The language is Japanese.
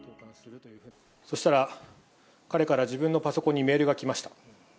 そしたら、彼から自分のパソコンにメールが来ました。